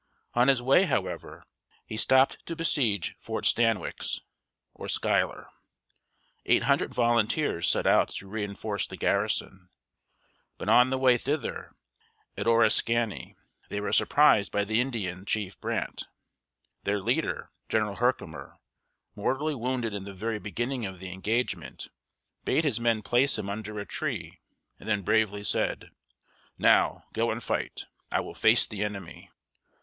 On his way, however, he stopped to besiege Fort Stan´wix, or Schuyler. Eight hundred volunteers set out to reinforce the garrison, but on the way thither, at O ris´ka ny, they were surprised by the Indian chief Brant. Their leader, General Her´ki mer, mortally wounded in the very beginning of the engagement, bade his men place him under a tree, and then bravely said: "Now, go and fight. I will face the enemy."